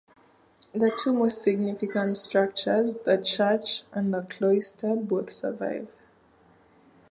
The two most significant structures, the church and the cloister, both survive.